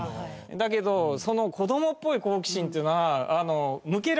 だけどその子供っぽい好奇心っていうのは。